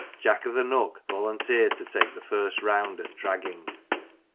Jack o'th' Nook volunteered to take the first round at dragging.